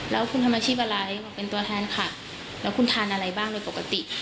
แล้วคุณทำอาชีพอะไรบอกเป็นตัวแทนค่ะแล้วคุณทานอะไรบ้างโดยปกติ